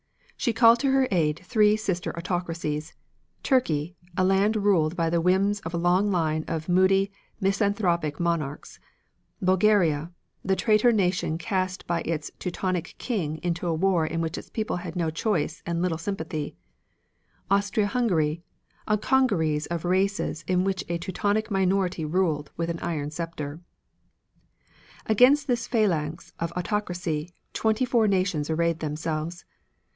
She called to her aid three sister autocracies: Turkey, a land ruled by the whims of a long line of moody misanthropic monarchs; Bulgaria, the traitor nation cast by its Teutonic king into a war in which its people had no choice and little sympathy; Austria Hungary, a congeries of races in which a Teutonic minority ruled with an iron scepter. Against this phalanx of autocracy, twenty four nations arrayed themselves.